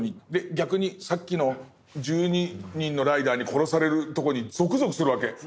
逆にさっきの１２人のライダーに殺されるとこにゾクゾクするわけ。